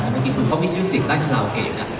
แล้วเมื่อกี้คุณซ่อมวิชิวสิงห์ใต้คลาวเกย์อยู่นะ